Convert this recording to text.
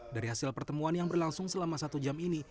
dari hasil pertemuan yang berlangsung selama satu jam ini